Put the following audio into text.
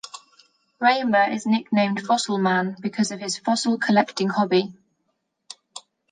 Raymer is nicknamed "Fossilman" because of his fossil collecting hobby.